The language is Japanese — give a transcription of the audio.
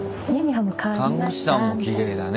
看護師さんもきれいだね